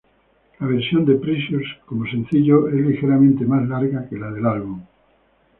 La versión de "Precious" como sencillo es ligeramente más larga que la del álbum.